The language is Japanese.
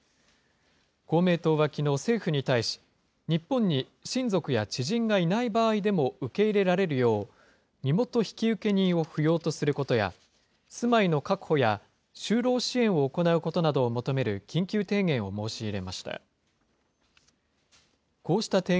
公明党はきのう、政府に対し、日本に親族や知人がいない場合でも受け入れられるよう、身元引受人を不要とすることや、住まいの確保や就労支援を行うことなどを求める緊急提言を申し入れました。